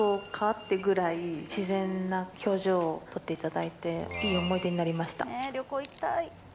ってくらい、自然な表情を撮っていただいて、いい思い出になりました。